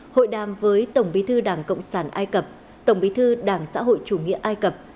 hội đàm với tổng bí thư đảng cộng sản ai cập tổng bí thư đảng xã hội chủ nghĩa ai cập